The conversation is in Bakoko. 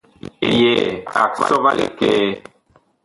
Yɛɛ ag sɔ va likɛɛ.